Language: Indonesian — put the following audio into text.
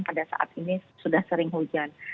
pada saat ini sudah sering hujan